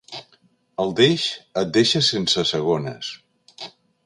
El deix et deixa sense segones.